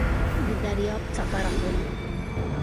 د دریاب څپه راغله .